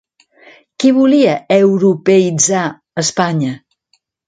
Qui volia «europeïtzar» Espanya?